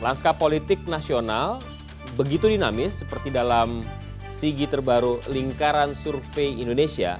lanska politik nasional begitu dinamis seperti dalam sigi terbaru lingkaran survei indonesia